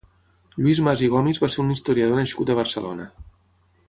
Lluís Mas i Gomis va ser un historiador nascut a Barcelona.